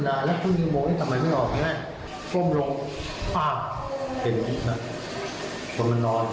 น้องเขาช่วยเกณฑ์ดูด้วยบ้างเห็นอะไรก่อนพระอาหาร